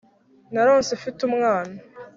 Narose mfite umwana